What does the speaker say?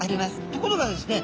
ところがですね